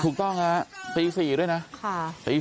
ถูกต้องค่ะตี๔หรือยังเนี่ย